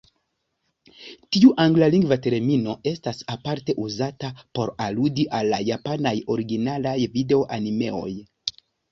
Tiu anglalingva termino estas aparte uzata por aludi al la japanaj originalaj video-animeoj.